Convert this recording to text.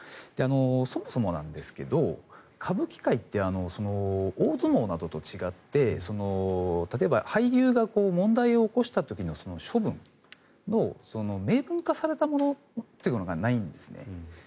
そもそもなんですけど歌舞伎界って大相撲などと違って例えば、俳優が問題を起こした時の処分の明文化されたものというのがないんですね。